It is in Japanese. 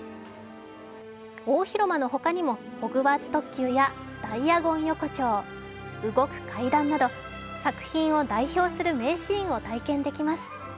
大広間の他にもホグワーツ特急やダイアゴン横丁動く階段など、作品を代表する名シーンを体験できます。